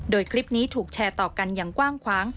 โดยคลิปนี้ถูกแชร์ต่อกันอย่างกว้างขวาง